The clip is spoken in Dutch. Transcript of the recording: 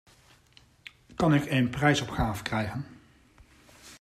Kan ik een prijsopgave krijgen?